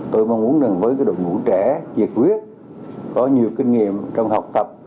tôi mong muốn đồng với đội ngũ trẻ dệt quyết có nhiều kinh nghiệm trong học tập